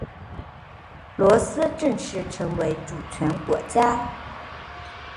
罗斯正式成为主权国家。